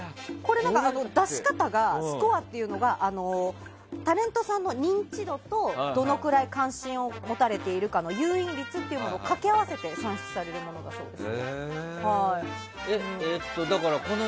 スコアっていうのがタレントさんの認知度とどのくらい関心を持たれているかの誘引率を掛け合わせて算出されているそうです。